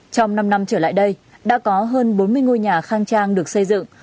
trong năm năm trở lại đây đã có hơn bốn mươi ngôi nhà khang trang được xây dựng